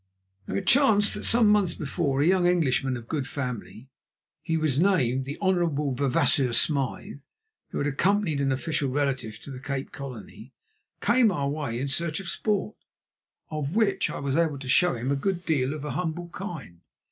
Now it chanced that some months before a young Englishman of good family—he was named the Honourable Vavasseur Smyth—who had accompanied an official relative to the Cape Colony, came our way in search of sport, of which I was able to show him a good deal of a humble kind.